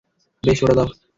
বেশ, ওটা দাও।